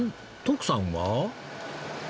徳さんは？